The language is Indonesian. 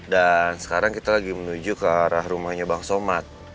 dan sekarang kita lagi menuju ke arah rumahnya bang somad